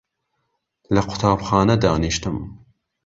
لە قوتابخانە دانیشتم